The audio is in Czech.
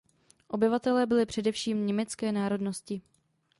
Obyvatelé byli především německé národnosti.